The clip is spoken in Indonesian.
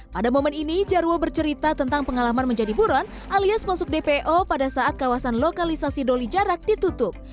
pada momen ini jarwo bercerita tentang pengalaman menjadi buron alias masuk dpo pada saat kawasan lokalisasi doli jarak ditutup